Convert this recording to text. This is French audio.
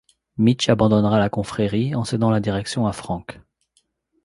Mitch abandonnera la confrérie, en cédant la direction à Franck.